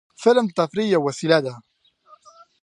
فلم د تفریح یوه وسیله ده